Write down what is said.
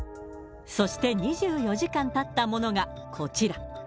そして、２４時間たったものがこちら。